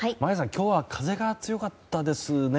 今日は風が強かったですね。